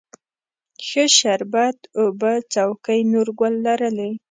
ښه شربت اوبه څوکۍ، نورګل لرلې